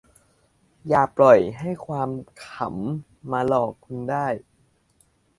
อย่าปล่อยให้ความขำมาหลอกคุณว่า